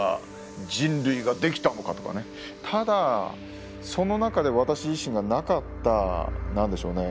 ただその中で私自身がなかった何でしょうね